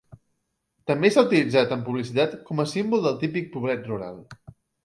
També s'ha utilitzat en publicitat com a símbol del típic poblet rural.